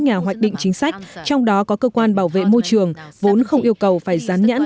nhà hoạch định chính sách trong đó có cơ quan bảo vệ môi trường vốn không yêu cầu phải rán nhãn